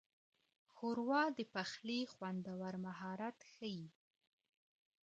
ښوروا د پخلي خوندور مهارت ښيي.